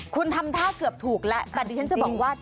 คุณทำท่าเกือบถูกแล้วแต่ดิฉันจะบอกว่า